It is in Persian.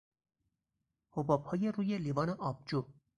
حبابهای روی لیوان آبجو